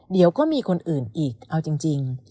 เดี๋ยวก็มีคนอื่นอีกเอาจริง